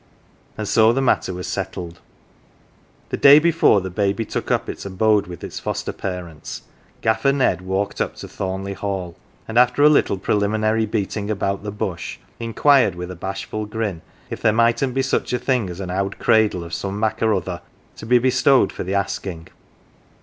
And so the matter was settled. The day before the baby took up its abode with its HO GAFFER'S CHILD foster parents, Gaffer Ned walked up to Thornleigh Hall, and after a little preliminary beating about the bush, inquired, with a bashful grin, if there mightn't be such a thing as an owd cradle of some mak"* or other to be bestowed for the asking.